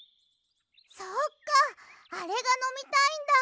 そっかあれがのみたいんだ。